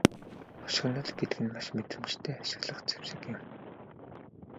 Хошигнол гэдэг нь маш мэдрэмжтэй ашиглах зэвсэг юм.